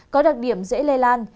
có đặc điểm dễ lây lan